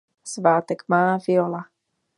Svátek má Viola.